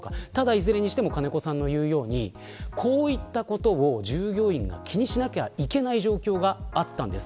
いずれにしても金子さんの言うようにこういったこと従業員が気にしなきゃいけない状況があったんです。